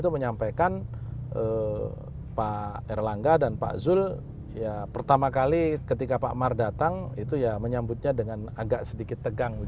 menyampaikan pak erlangga dan pak zul pertama kali ketika pak mar datang itu ya menyambutnya dengan agak sedikit tegang